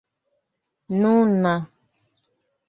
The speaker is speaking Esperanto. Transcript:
nuna